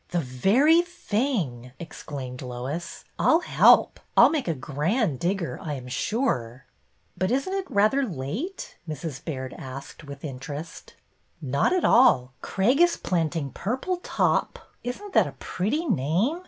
"The very thing!" exclaimed Lois. "I'll help. I 'll make a grand digger, I am sure." " But is n't it rather late? " Mrs. Baird asked, with interest. A NEW SCHEME 87 " Not at all. Craig is planting purple top — isn't that a pretty name?